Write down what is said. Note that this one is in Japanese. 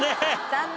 残念。